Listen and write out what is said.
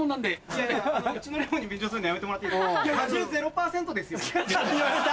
いやいやうちのレモンに便乗すんのやめてもらっていいですか？